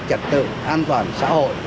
chặt tự an toàn xã hội